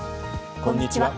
こんにちは。